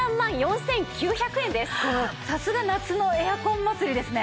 さすが夏のエアコン祭りですね。